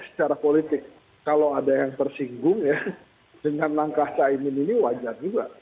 secara politik kalau ada yang tersinggung ya dengan langkah caimin ini wajar juga